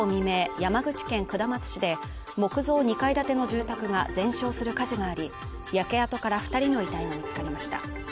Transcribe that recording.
山口県下松市で木造２階建ての住宅が全焼する火事があり焼け跡から二人の遺体が見つかりました